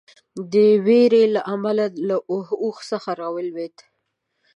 د وېرې له امله له اوښ څخه راولېده.